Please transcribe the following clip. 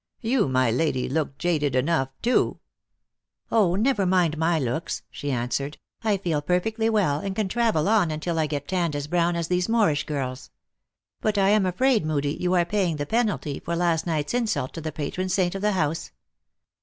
You, my lady, look jaded enough, too." u Oh, never mind my looks," she answered. " I feel perfectly well, and can travel on until I get tan ned as brown as these Moorish girls. But I am afraid Moodie, you are paying the penalty for last night s insult to the patron saint of the house.